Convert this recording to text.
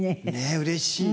うれしい。